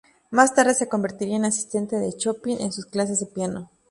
Más tarde se convertiría en asistente de Chopin en sus clases de piano.